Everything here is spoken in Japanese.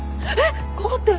ここって。